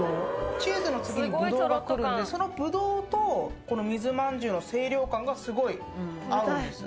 チーズの次にぶどうが来るんでそのぶどうとこの水まんじゅうの清涼感がすごい合うんですよ。